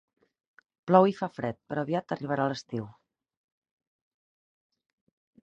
Plou i fa fred, però aviat arribarà l'estiu